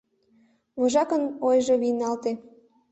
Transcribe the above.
Вожакын ойжо вийналте.